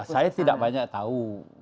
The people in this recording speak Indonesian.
saya tidak banyak tahu